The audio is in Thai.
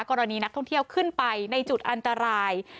กรณีนักท่องเที่ยวขึ้นไปในจุดอันตราย